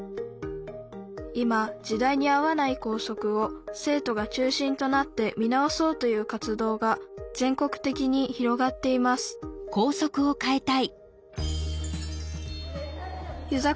今時代に合わない校則を生徒が中心となって見直そうという活動が全国的に広がっています遊佐